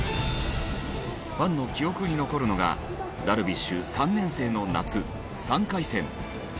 ファンの記憶に残るのがダルビッシュ３年生の夏３回戦。